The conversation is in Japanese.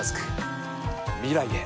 未来へ。